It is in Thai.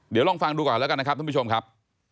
เดี๋ยวลองฟังดูก่อนแล้วกันนะครับท่านผู้ชมครับ